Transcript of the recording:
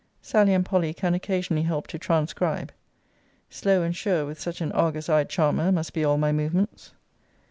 Sally and Polly can occasionally help to transcribe. Slow and sure with such an Argus eyed charmer must be all my movements.